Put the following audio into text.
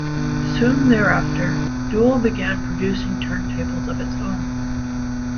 Soon thereafter, Dual began producing turntables of its own.